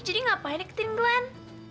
jadi ngapain deketin glenn